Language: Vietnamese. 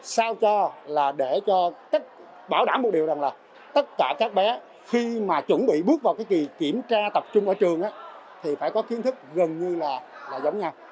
sao cho là để cho bảo đảm một điều rằng là tất cả các bé khi mà chuẩn bị bước vào cái kỳ kiểm tra tập trung ở trường thì phải có kiến thức gần như là giống nhau